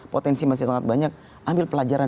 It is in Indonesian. potensi masih sangat banyak ambil pelajaran